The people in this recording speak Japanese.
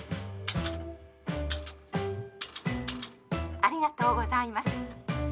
ありがとうございます。